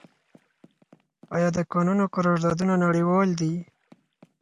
آیا د کانونو قراردادونه نړیوال دي؟